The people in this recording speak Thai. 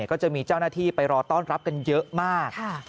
ก็จะมีเจ้าหน้าที่ไปรอต้อนรับกันเยอะมาก